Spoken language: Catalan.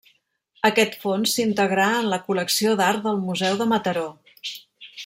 Aquest fons s'integrà en la col·lecció d'art del Museu de Mataró.